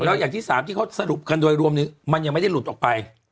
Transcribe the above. แล้วอย่างที่๓ที่เขาสรุปกันโดยรวมนี้มันยังไม่ได้หลุดออกไป